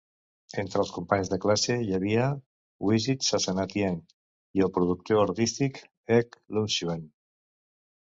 Entre els companys de classe hi havia Wisit Sasanatieng i el productor artístic Ek Iemchuen.